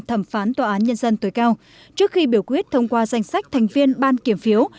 thẩm phán tòa án nhân dân tối cao trước khi biểu quyết thông qua danh sách thành viên ban kiểm phiếu